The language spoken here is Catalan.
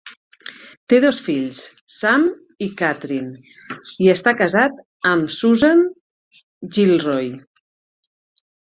Té dos fills, Sam i Kathryn, i està casat amb Susan Gilroy.